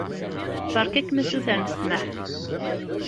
Beṛka-kem asuter n ssmaḥ.